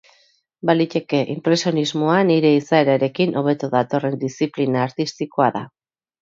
Baliteke inpresionismoa nire izaerarekin hobeto datorren diziplina artistikoa da.